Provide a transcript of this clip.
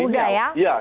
yang lebih anak muda ya